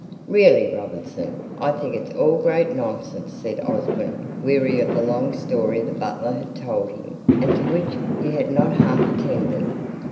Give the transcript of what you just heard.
"Really, Robinson, I think it's all great nonsense," said Osborne, weary of the long story the butler had told him, and to which he had not half attended.